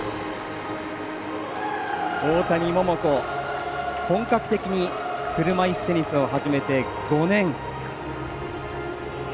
大谷桃子、本格的に車いすテニスを始めて５年。